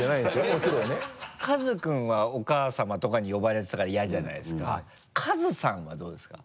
もちろんね「かず君」はお母さまとかに呼ばれてたから嫌じゃないですか「かずさん」はどうですか？